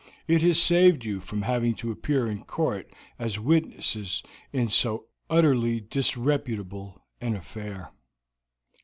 It has saved you from having to appear in court as witnesses in so utterly disreputable an affair."